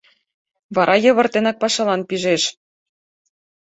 Вара йывыртенак пашалан пижеш.